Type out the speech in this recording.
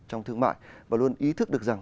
trong thương mại và luôn ý thức được rằng